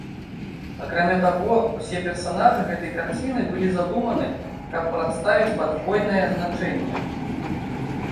Акрамя таго, усе персанажы гэтай карціны былі задуманы, каб прадставіць падвойнае значэнне.